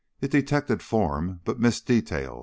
It detected form but missed detail.